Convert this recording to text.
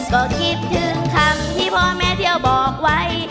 ก็คิดถึงคำที่พ่อแม่เที่ยวบอกไว้